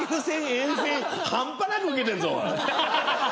沿線半端なくウケてんぞ。